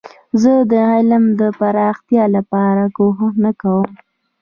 زه د علم د پراختیا لپاره کوښښ نه کوم.